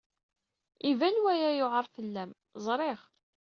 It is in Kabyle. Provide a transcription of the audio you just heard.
Iban waya yewɛeṛ fell-am, ẓriɣ.